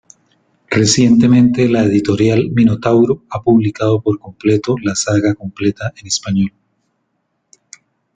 Recientemente la editorial "Minotauro" ha publicado por completo la saga completa en español.